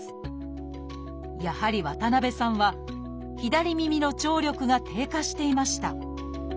やはり渡辺さんは左耳の聴力が低下していました。